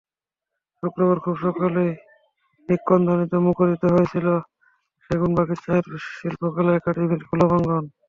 শুক্রবার খুব সকালেই নিক্কণধ্বনিতে মুখরিত হয়েছিল সেগুনবাগিচার শিল্পকলা একাডেমির খোলা প্রাঙ্গণ।